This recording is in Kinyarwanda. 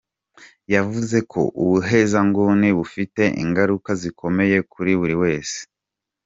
Yavuze ko ubuhezanguni bufite ingaruka zikomeye kuri buri wese ku Isi.